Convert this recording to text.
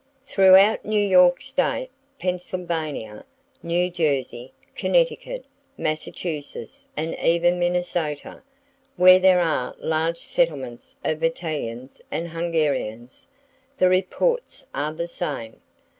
Throughout New York State, Pennsylvania, New Jersey, Connecticut, Massachusetts, and even Minnesota, wherever there are large settlements of Italians and Hungarians, the reports are the same.